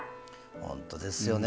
本当ですよね。